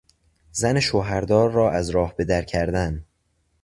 زن شوهردار را از راه به در کردن